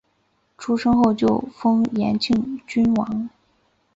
出生后就封延庆郡王。